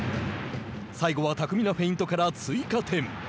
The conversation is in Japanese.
最後は巧みなフェイントから追加点。